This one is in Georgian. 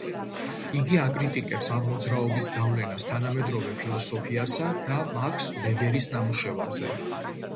იგი აკრიტიკებს ამ მოძრაობის გავლენას თანამედროვე ფილოსოფიასა და მაქს ვებერის ნამუშევარზე.